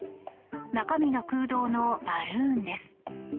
中身が空洞のバルーンです。